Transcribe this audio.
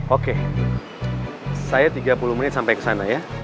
oke saya tiga puluh menit sampai ke sana ya